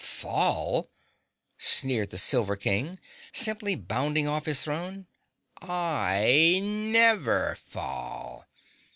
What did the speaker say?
"Fall!" sneered the Silver King, simply bounding off his throne. "I NEVER fall!"